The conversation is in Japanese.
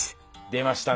出ましたね！